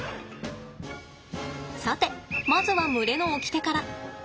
さてまずは群れのおきてから。